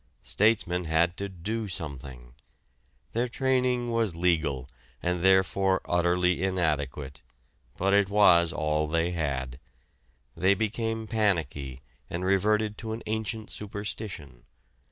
Statesmen had to do something. Their training was legal and therefore utterly inadequate, but it was all they had. They became panicky and reverted to an ancient superstition.